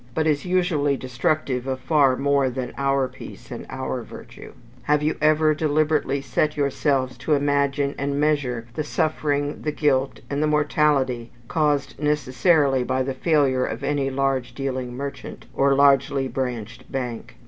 But is usually destructive of far more than our peace, or our virtue. Have you ever deliberately set yourselves to imagine and measure the suffering, the guilt, and the mortality caused necessarily by the failure of any large dealing merchant, or largely branched bank?